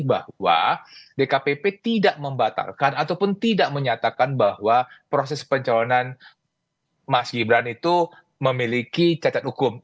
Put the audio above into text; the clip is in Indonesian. bahwa dkpp tidak membatalkan ataupun tidak menyatakan bahwa proses pencalonan mas gibran itu memiliki cacat hukum